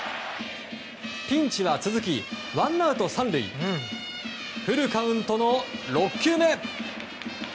ピンチは続きワンアウト３塁フルカウントの６球目。